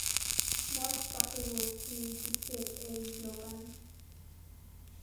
Mike Butterworth created Jet-Ace Logan.